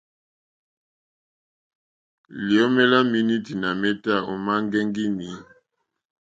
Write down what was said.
Liomè la menuti nà meta òma ŋgɛŋgi inèi.